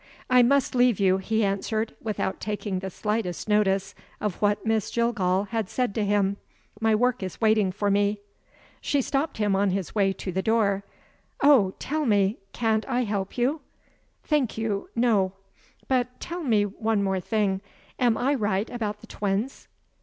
"I must leave you," he answered, without taking the slightest notice of what Miss Jillgall had said to him. "My work is waiting for me." She stopped him on his way to the door. "Oh, tell me can't I help you?" "Thank you; no." "Well but tell me one thing. Am I right about the twins?"